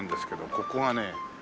ここがね